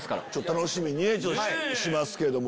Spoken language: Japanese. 楽しみにしますけれども。